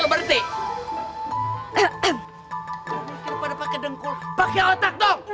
berarti pada pakai dengkul pakai otak dong